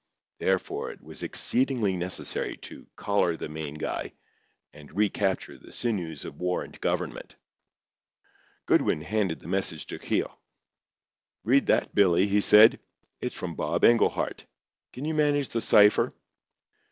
Therefore it was exceeding necessary to "collar the main guy," and recapture the sinews of war and government. Goodwin handed the message to Keogh. "Read that, Billy," he said. "It's from Bob Englehart. Can you manage the cipher?"